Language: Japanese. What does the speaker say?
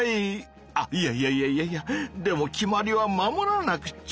あいやいやいやいやいやでも決まりは守らなくちゃ！